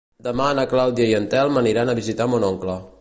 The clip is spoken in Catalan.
Demà na Clàudia i en Telm aniran a visitar mon oncle.